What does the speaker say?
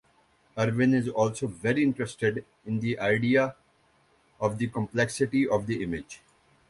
Irwin is also very interested in the idea of the complexity of the image.